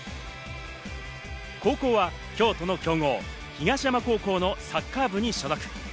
高校は京都の強豪・東山高校のサッカー部に所属。